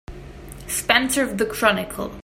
Spencer of the Chronicle.